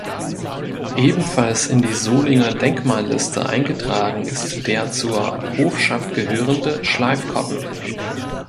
Ebenfalls in die Solinger Denkmalliste eingetragen ist der zur Hofschaft gehörende Schleifkotten.